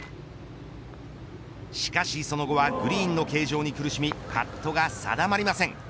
しかしその後はグリーンの形状に苦しみパットが定まりません。